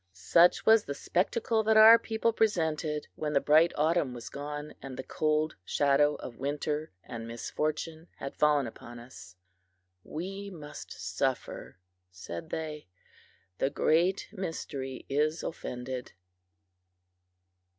Such was the spectacle that our people presented when the bright autumn was gone and the cold shadow of winter and misfortune had fallen upon us. "We must suffer," said they "the Great Mystery is offended."